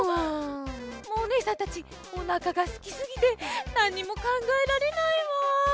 もうおねえさんたちおなかがすきすぎてなんにもかんがえられないわ。